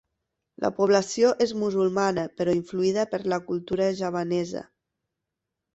La població és musulmana però influïda per la cultura javanesa.